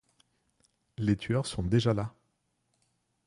Les tueurs sont déjà là.